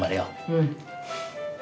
うん。